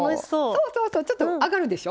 そうそうちょっと上がるでしょ。